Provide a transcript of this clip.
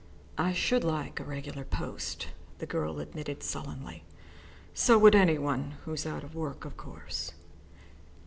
"I should like a regular post," the girl admitted sullenly. "So would any one who's out of work, of course."